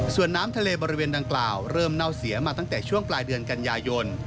ส่วนน้ำทะเลบริเวณดังกล่าวเริ่มเน่าเสียมาตั้งแต่ช่วงปลายเดือนกันยายน